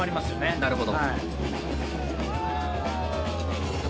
なるほど。